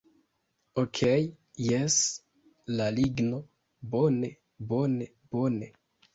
Okej jes la ligno... bone, bone, bone